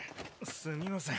すみません。